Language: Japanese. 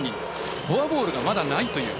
フォアボールがまだないという。